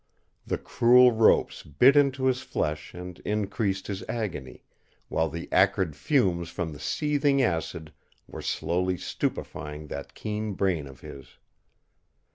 The cruel ropes bit into his flesh and increased his agony, while the acrid fumes from the seething acid were slowly stupefying that keen brain of his.